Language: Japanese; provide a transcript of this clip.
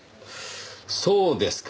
そうですか。